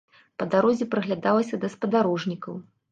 Па дарозе прыглядалася да спадарожнікаў.